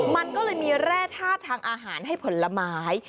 มันก็เลยมีแร่ธาตุทางอาหารให้ผลไม้